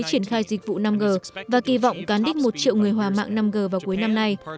triển khai dịch vụ năm g và kỳ vọng cán đích một triệu người hòa mạng năm g vào cuối năm nay